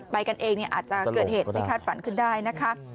ไปกันเองอาจจะเกิดเหตุไม่คาดฝันขึ้นได้นะคะ